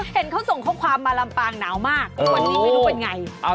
เห็นเขาส่งข้อความมาลำปางหนาวมากวันนี้ไม่รู้เป็นไง